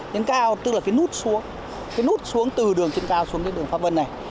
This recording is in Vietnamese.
lên cao tức là cái nút xuống cái nút xuống từ đường trên cao xuống đến đường pháp vân này